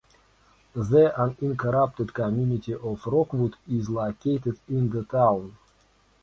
The unincorporated community of Rockwood is located in the town.